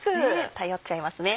頼っちゃいますね。